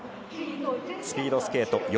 スピードスケート